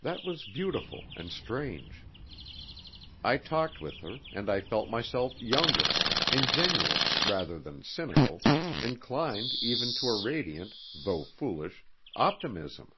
That was beautiful and strange. I talked with her, and I felt myself younger, ingenuous rather than cynical, inclined even to a radiant, though foolish, optimism.